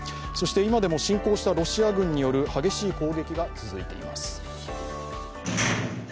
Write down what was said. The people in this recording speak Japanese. そして今でも侵攻したロシア軍による激しい攻撃が続いています。